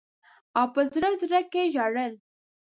او په زړه زړه کي ژړل.